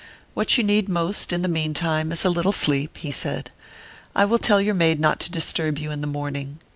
"What you need most, in the meantime, is a little sleep," he said. "I will tell your maid not to disturb you in the morning."